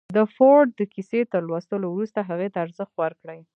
د فورډ د کيسې تر لوستو وروسته هغې ته ارزښت ورکړئ.